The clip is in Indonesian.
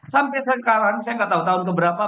sampai sekarang saya nggak tahu tahun keberapa